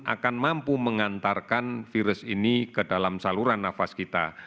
akan mampu mengantarkan virus ini ke dalam saluran nafas kita